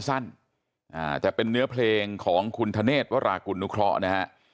จะเป็นเนื้อเพลงของคุณธเนธวรากุณุเคราะห์นะฮะ